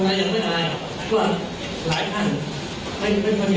นี่เราก็รวมมาได้อันนี้นี่อันนั้นลงแล้วได้แค่๕แสนนะครับ